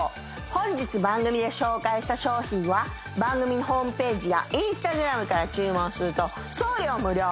本日番組で紹介した商品は番組ホームページやＩｎｓｔａｇｒａｍから注文すると送料無料。